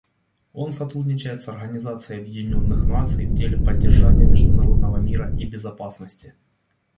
Он сотрудничает с Организацией Объединенных Наций в деле поддержания международного мира и безопасности.